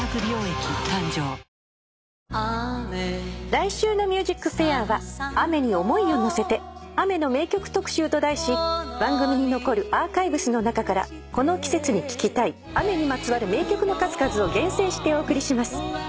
来週の『ＭＵＳＩＣＦＡＩＲ』は「雨に想いをのせて雨の名曲特集」と題し番組に残るアーカイブスの中からこの季節に聞きたい雨にまつわる名曲の数々を厳選してお送りします。